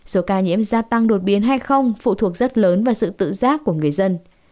số ca nhiễm gia tăng đột biến hay không phụ thuộc rất lớn vào sự tự giác của người dân